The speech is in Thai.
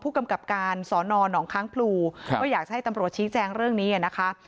ผู้กำกับการสอนหนองค้างปลู่ว่าอยากให้ตำรวจชี้แจงเรื่องนี้น่ะนะคะ